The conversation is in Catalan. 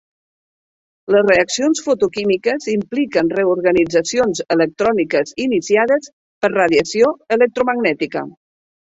Les reaccions fotoquímiques impliquen reorganitzacions electròniques iniciades per radiació electromagnètica.